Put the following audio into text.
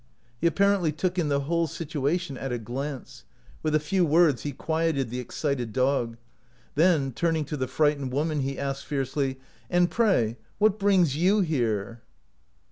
He appar ently took in the whole situation at a glance. With a few words he quieted the excited dog. Then, turning to the frightened woman, he asked, fiercely :" And pray, what brings you here